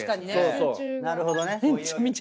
なるほどね。